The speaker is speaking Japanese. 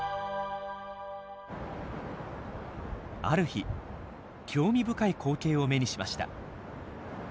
ある日興味深い光景を目にしました。